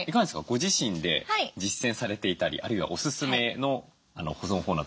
ご自身で実践されていたりあるいはおすすめの保存法など何かありますか？